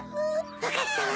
わかったわ！